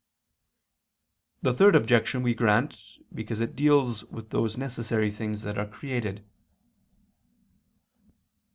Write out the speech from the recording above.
The third objection we grant, because it deals with those necessary things that are created.